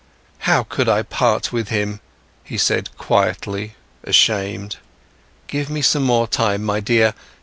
"How could I part with him?" he said quietly, ashamed. "Give me some more time, my dear!